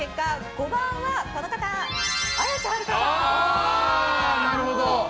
５番は綾瀬はるかさん。